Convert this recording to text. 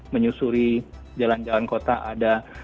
menyusuri jalan jalan kota ada